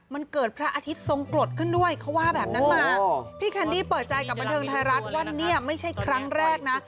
มันเกิดพระอาทิตย์ทรงกรดขึ้นด้วยเขาว่าแบบนั้นมาพี่แคนดี้เปิดใจกับบันเทิงไทยรัฐว่าเนี่ยไม่ใช่ครั้งแรกนะ